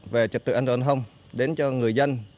về trật tự an toàn giao thông đến cho người dân